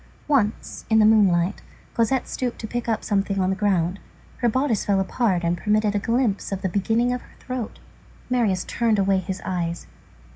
Once, in the moonlight, Cosette stooped to pick up something on the ground, her bodice fell apart and permitted a glimpse of the beginning of her throat. Marius turned away his eyes.